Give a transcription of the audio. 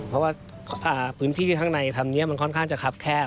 เพราะว่าพื้นที่ข้างในทำนี้มันค่อนข้างจะคับแคบ